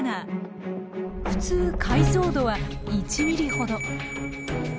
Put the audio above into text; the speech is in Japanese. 普通解像度は１ｍｍほど。